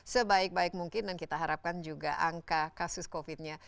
sebaik baik mungkin dan kita harapkan juga angka kasus covid nya